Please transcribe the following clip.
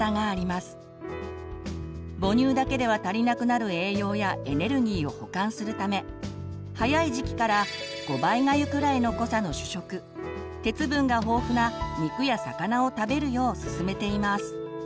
母乳だけでは足りなくなる栄養やエネルギーを補完するため早い時期から５倍がゆくらいの濃さの主食鉄分が豊富な肉や魚を食べるようすすめています。